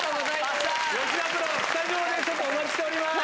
吉田プロ、スタジオでちょっと、お待ちしております。